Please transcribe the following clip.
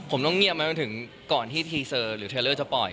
ผมต้องเงียบมาจนถึงก่อนที่ทีเซอร์หรือเทลเลอร์จะปล่อย